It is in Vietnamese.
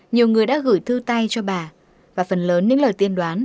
nhiều người đã gửi thư tay cho bà và phần lớn đến lời tiên đoán